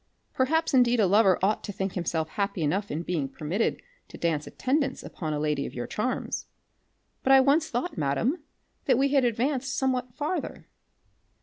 Perhaps indeed a lover ought to think himself happy enough in being permitted to dance attendance upon a lady of your charms. But I once thought, madam, that we had advanced somewhat farther."